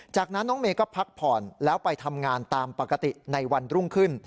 จากนั้นน้องเมย์ก็พักผ่อนแล้วไปทำงานตามปกติในวันรุ่งขึ้น